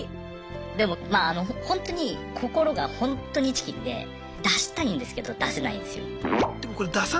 でもまああのほんとに心がほんとにチキンで出したいんですけど出せないんですよ。